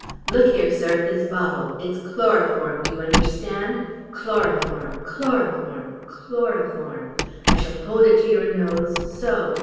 Look here, sir, at this bottle. It's chloroform: do you understand? Chloroform chloroform chloroform! I shall hold it to your nose so.